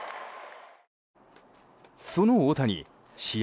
その大谷、試合